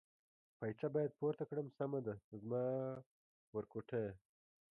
پایڅه باید پورته کړم، سمه ده زما ورکوټیه.